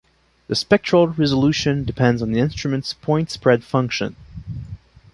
The spectral resolution depends on the instrument's point spread function.